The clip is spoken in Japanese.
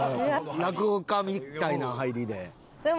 落語家みたいな入りで。